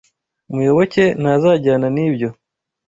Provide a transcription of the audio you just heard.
Muyoboke ntazajyana nibyo.